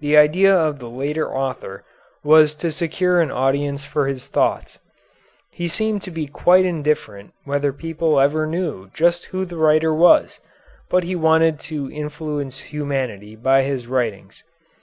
The idea of the later author was to secure an audience for his thoughts. He seemed to be quite indifferent whether people ever knew just who the writer was, but he wanted to influence humanity by his writings.